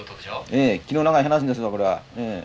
ええ気の長い話ですわこれはええ。